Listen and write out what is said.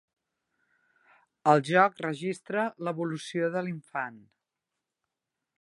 El joc registra l’evolució de l’infant.